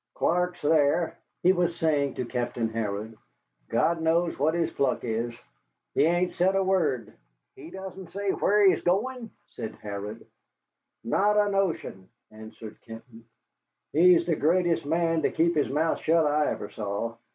"Clark's thar," he was saying to Captain Harrod. "God knows what his pluck is. He ain't said a word." "He doesn't say whar he's going?" said Harrod. "Not a notion," answered Kenton. "He's the greatest man to keep his mouth shut I ever saw.